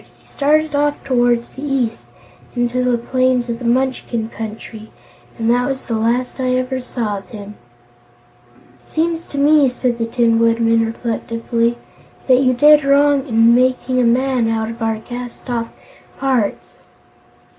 He started off toward the east, into the plains of the Munchkin Country, and that was the last I ever saw of him." "It seems to me," said the Tin Woodman reflectively, "that you did wrong in making a man out of our cast off parts.